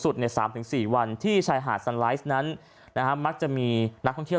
สุดในสามถึงสี่วันที่ชายหาดนั้นนะฮะมักจะมีนักท่องเที่ยว